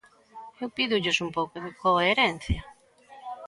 Eu pídolles un pouco de coherencia.